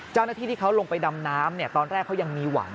เจ้าหน้าที่ที่เขาลงไปดำน้ำตอนแรกเขายังมีหวัง